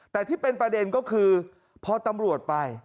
แต่ที่เป็นประเด็นก็คือพอตำรวจไป